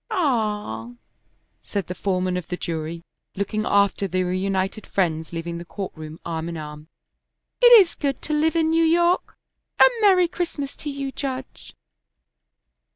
"Ah!" said the foreman of the jury, looking after the reunited friends leaving the court room arm in arm; "it is good to live in New York. A merry Christmas to you, Judge!"